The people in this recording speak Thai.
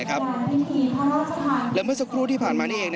และเมื่อสักครู่ที่ผ่านมานี่เอง